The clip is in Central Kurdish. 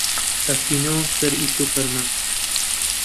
ئەچینۆ سەر ئیش و فرمان